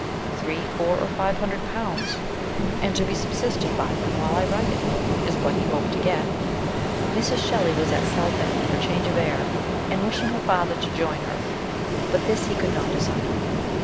" Three, four, or five hundred pounds, and to be subsisted by them while I write it," is what he hoped to get. Mrs. Shelley was at Southend for change of air, and wishing her father to join her ; but this he could not decide on.